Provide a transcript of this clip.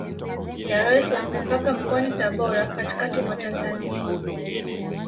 Dar es salaam mpaka Mkoani Tabora katikati mwa Tanzania